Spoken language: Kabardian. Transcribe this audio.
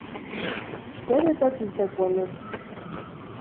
Дэнэ-тӏэ дыздэкӏуэнур?